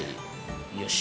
よし。